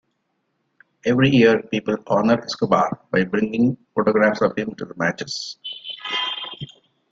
Every year people honour Escobar by bringing photographs of him to matches.